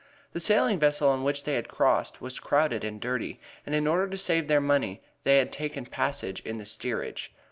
The sailing vessel on which they crossed was crowded and dirty, and in order to save their money they had taken passage in the steerage.